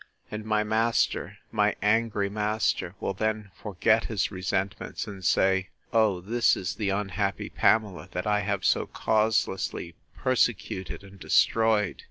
—And my master, my angry master, will then forget his resentments, and say, O, this is the unhappy Pamela! that I have so causelessly persecuted and destroyed!